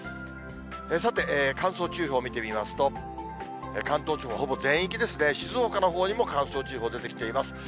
さて、乾燥注意報を見てみますと、関東地方はほぼ全域ですね、静岡のほうにも乾燥注意報出てきています。